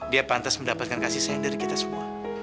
dia pantas mendapatkan kasih sayang dari kita semua